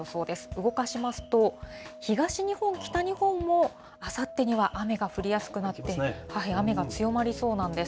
動かしますと、東日本、北日本もあさってには雨が降りやすくなって、雨が強まりそうなんです。